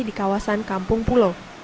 di kawasan kampung pulau